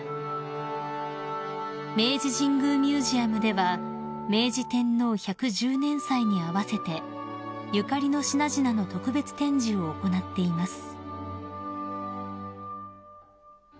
［明治神宮ミュージアムでは明治天皇百十年祭に合わせてゆかりの品々の特別展示を行っています］